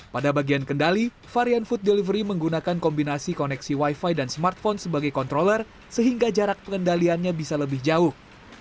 pada bagian kendali varian food delivery menggunakan kombinasi koneksi wifi dan smartphone sebagai controller sehingga jarak pengendaliannya bisa lebih jauh